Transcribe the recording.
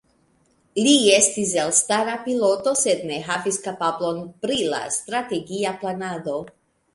Li estis elstara piloto, sed ne havis kapablon pri la strategia planado.